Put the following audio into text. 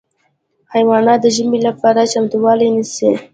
حیوانات د ژمي لپاره چمتووالی نیسي.